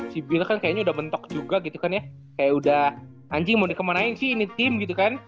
si bill kan kayaknya udah mentok juga gitu kan ya kayak udah anjing mau dikemanain sih ini tim gitu kan